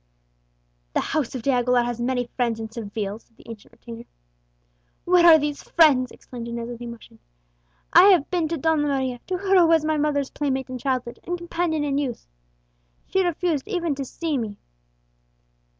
"The house of De Aguilera has many friends in Seville," said the ancient retainer. "Where are these friends?" exclaimed Inez with emotion. "I have been to Donna Maria to her who was my mother's playmate in childhood, and companion in youth. She refused even to see me!"